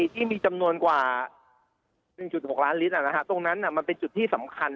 ที่มีจำนวนกว่า๑๖ล้านลิตรตรงนั้นมันเป็นจุดที่สำคัญ